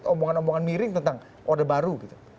omongan omongan miring tentang orde baru gitu